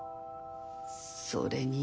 それに。